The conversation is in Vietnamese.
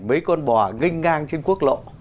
mấy con bò nganh ngang trên quốc lộ